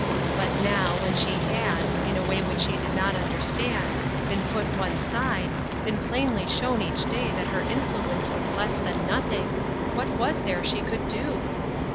But now, when she had, in a way which she did not understand, been put one side, been plainly shown each day that her influence was less than nothing, what was there she could do